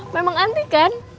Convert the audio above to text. memang antik kan